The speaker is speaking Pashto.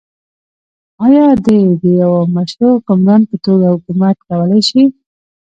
آیا دی د يوه مشروع حکمران په توګه حکومت کولای شي؟